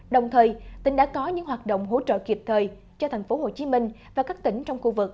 đồng thời tỉnh đã có những hoạt động hỗ trợ kịp thời cho tp hcm và các tỉnh trong khu vực